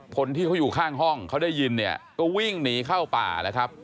คนที่เขาอยู่ข้างห้องเขาได้ยินเนี่ยก็วิ่งหนีเข้าป่าแล้วครับ